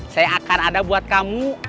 saya akan ada buat kamu